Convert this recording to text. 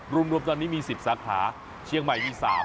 รวมตอนนี้มี๑๐สาขาเชียงใหม่มี๓